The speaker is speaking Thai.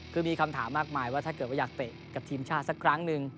คือมีคำถามมากมายว่าถ้าเกิดว่าอยากเตะกับทีมชาติสักครั้งหนึ่ง